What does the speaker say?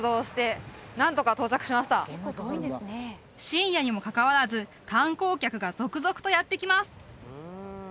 深夜にもかかわらず観光客が続々とやって来ます